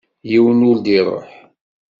Yiwen ur d-iṛuḥ.